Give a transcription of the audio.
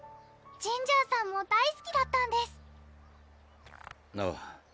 ジンジャーさんも大すきだったんですあぁ